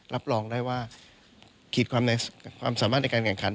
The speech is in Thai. รับรองได้ว่าขีดความสามารถในการแข่งขัน